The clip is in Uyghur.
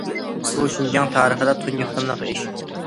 بۇ شىنجاڭ تارىخىدا تۇنجى قېتىملىق ئىش.